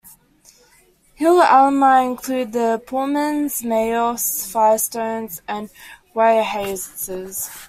Hill alumni include the Pullmans, Mayos, Firestones, and Weyerhausers.